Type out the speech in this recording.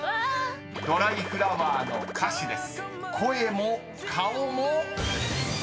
［『ドライフラワー』の歌詞です］